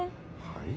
はい？